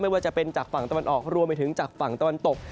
ว่าจะเป็นจากฝั่งตะวันออกรวมไปถึงจากฝั่งตะวันตก